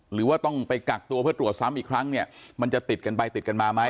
หรือว่าต้องไปกักตัวเพื่อตรวจซ้ำอีกครั้งเนี่ยมันจะติดกันไปติดกันมาไหม